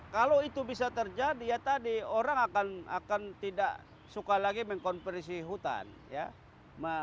kalau itu bisa terjadi ya tadi orang akan tidak suka lagi mengkonversi hutan ya